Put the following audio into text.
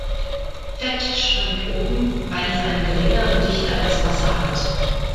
Fett schwimmt oben, weil es eine geringere Dichte als Wasser hat.